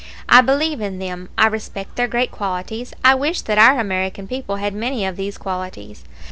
I believe in them; I respect their great qualities; I wish that our American people had many of these qualities.